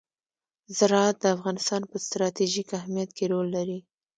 زراعت د افغانستان په ستراتیژیک اهمیت کې رول لري.